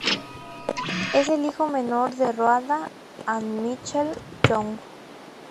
Es el hijo menor de Rhonda and Michael Young, Sr.